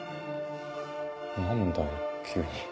何だよ急に。